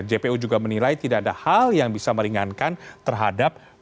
jpu juga menilai tidak ada hal yang bisa meringankan terhadap